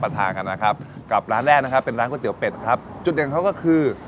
จุดเด่นของเขาก็คือ